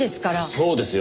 そうですよ。